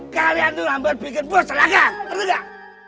kalian tuh banget bikin bos serangga denger nggak